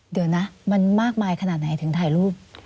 เดี๋ยวนะมันมากมายขนาดไหนถึงถ่ายรูป